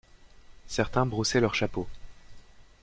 Certains brossaient leurs chapeaux.